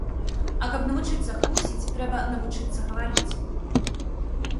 А каб навучыцца хлусіць, трэба навучыцца гаварыць.